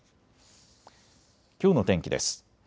きょうの天気です。